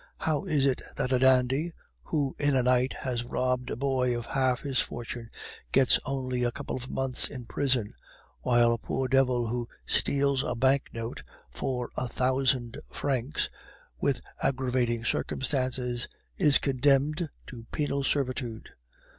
How is it that a dandy, who in a night has robbed a boy of half his fortune, gets only a couple of months in prison; while a poor devil who steals a banknote for a thousand francs, with aggravating circumstances, is condemned to penal servitude?